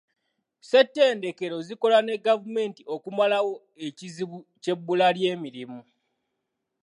Ssettendekero zikola ne gavumenti okumalawo ekizibu ky'ebbula ly'emirimu.